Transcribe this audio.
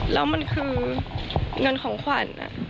แล้วมันคือเงินของขวัญ